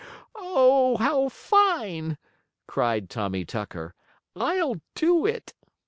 "Oh, how fine!" cried Tommie Tucker. "I'll do it!"